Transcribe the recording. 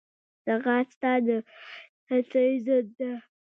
ځغاسته د سستۍ ضد ده